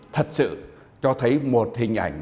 thật sự cho thấy một hình ảnh